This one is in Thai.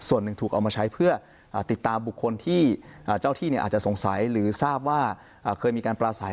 ส่วนหนึ่งถูกเอามาใช้เพื่อติดตามบุคคลที่เจ้าที่อาจจะสงสัยหรือทราบว่าเคยมีการปลาใส